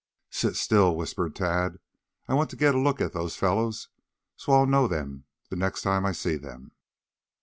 "Sit still," whispered Tad. "I want to get a look at those fellows so I'll know them next time I see them."